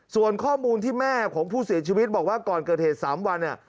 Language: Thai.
ส่วนข้อมูลที่แม่ของผู้เสียชีวิตบอกว่าก่อนเกิดเหตุ๓วันเนี่ย